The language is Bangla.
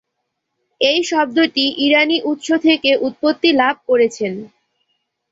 এই শব্দটি ইরানি উৎস থেকে উৎপত্তি লাভ করেছেন।